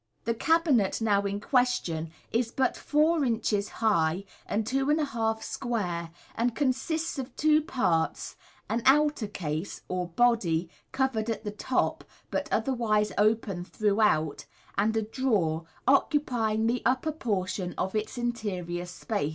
The cabinet now in question is but four inches high and two and a half square, and consists of two parts, an outer case, or body, covered at the top, but otherwise open throughout, and a drawer, occupying the upper portion of its interior space.